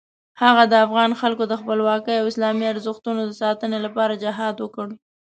هغه د افغان خلکو د خپلواکۍ او اسلامي ارزښتونو د ساتنې لپاره جهاد وکړ.